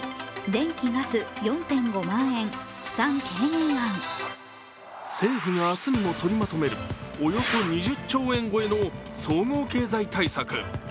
視聴者からは政府が明日にも取りまとめるおよそ２０兆円超えの総合経済対策。